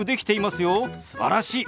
すばらしい！